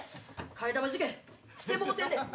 替え玉受験してもうてんねん！